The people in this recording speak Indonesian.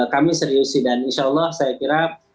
kami seriusi dan insya allah saya kira